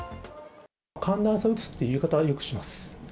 寒暖差うつっていう言い方をよくします。